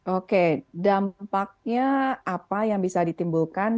oke dampaknya apa yang bisa ditimbulkan